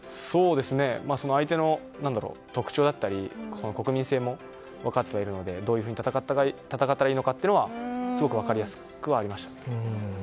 相手の特徴だったり、国民性も分かってはいるのでどういうふうに戦ったらいいかはすごく分かりやすくはありました。